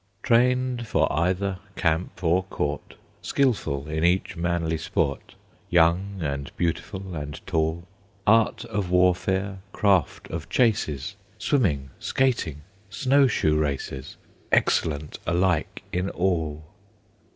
Trained for either camp or court, Skilful in each manly sport, Young and beautiful and tall; Art of warfare, craft of chases, Swimming, skating, snow shoe races, Excellent alike in all.